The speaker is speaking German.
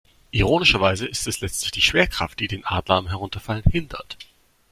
Ironischerweise ist es letztendlich die Schwerkraft, die den Adler am Herunterfallen hindert.